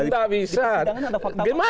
di persidangan ada fakta fakta